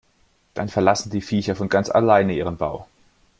Dann verlassen die Viecher von ganz alleine ihren Bau.